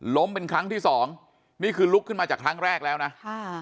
เป็นครั้งที่สองนี่คือลุกขึ้นมาจากครั้งแรกแล้วนะค่ะ